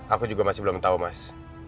aku juga masih belum tahu mas